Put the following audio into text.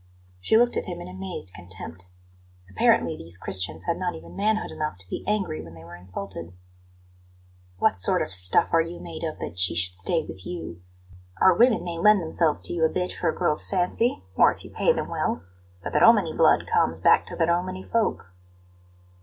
She looked at him in amazed contempt. Apparently, these Christians had not even manhood enough to be angry when they were insulted. "What sort of stuff are you made of, that she should stay with you? Our women may lend themselves to you a bit for a girl's fancy, or if you pay them well; but the Romany blood comes back to the Romany folk."